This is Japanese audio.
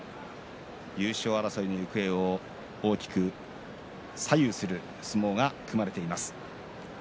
優勝争いの行方を大きく左右する相撲が組まれています。